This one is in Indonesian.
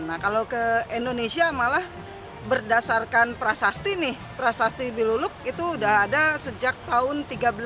nah kalau ke indonesia malah berdasarkan prasasti nih prasasti biluluk itu sudah ada sejak tahun seribu tiga ratus lima puluh